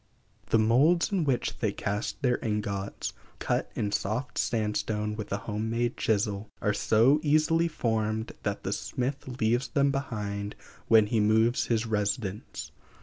The moulds in which they cast their ingots, cut in soft sandstone with a home made chisel, are so easily formed that the smith leaves them behind when he moves his residence.